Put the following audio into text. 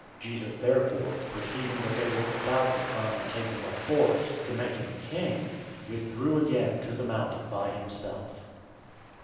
006:015 Jesus therefore, perceiving that they were about to come and take him by force, to make him king, withdrew again to the mountain by himself.